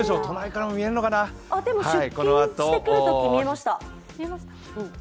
でも出勤してくるとき見えました。